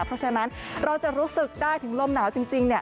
เพราะฉะนั้นเราจะรู้สึกได้ถึงลมหนาวจริง